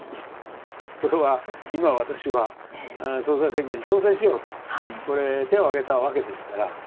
これは、今、私は総裁選挙に挑戦しようと、これ、手を挙げたわけですから。